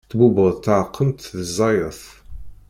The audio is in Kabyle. Tbubbeḍ taɛkemt ẓẓayet.